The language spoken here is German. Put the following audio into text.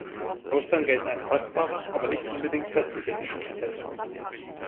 Austern gelten als kostbare aber nicht unbedingt köstliche Delikatesse.